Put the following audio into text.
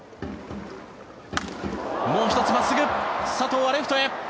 もう１つ、真っすぐ佐藤はレフトへ。